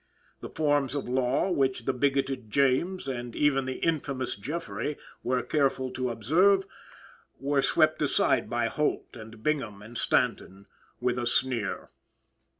The forms of law, which the bigoted James, and even the infamous Jeffrey, were careful to observe, were swept aside by Holt and Bingham and Stanton, with a sneer.